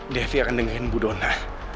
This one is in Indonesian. devi akan dengerin bu donna